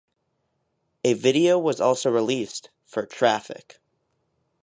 A video was also released for "Traffic".